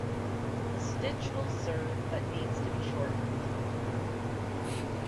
The stitch will serve but needs to be shortened.